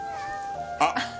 あっ。